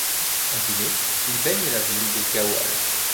En Guinée, il baigne la ville de Gaoual.